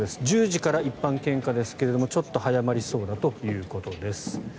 １０時から一般献花ですがちょっと早まりそうだということです。